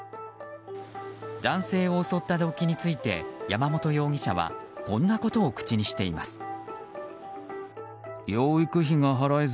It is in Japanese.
男性を襲った動機について山本容疑者はこんなことを口にしています。